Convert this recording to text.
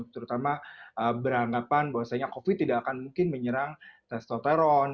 terutama beranggapan bahwasanya covid tidak akan mungkin menyerang testoteron